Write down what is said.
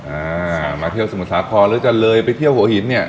อ่ามาเที่ยวสมุทรสาครหรือจะเลยไปเที่ยวหัวหินเนี่ย